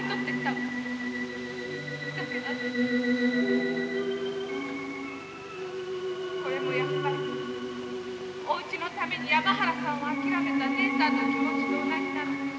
だけど私これもやっぱりおうちのために山原さんを諦めた姉さんの気持ちと同じなのねきっと。